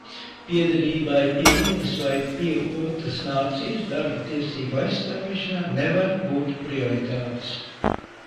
Piederībai pie vienas vai pie otras nācijas darba tiesību aizstāvēšanā nevar būt prioritātes.